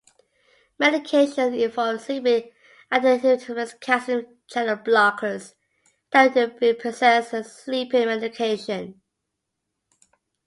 Medications involved include antihistamines, calcium channel blockers, antidepressants, and sleeping medication.